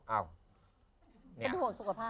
เป็นห่วงสุขภาพ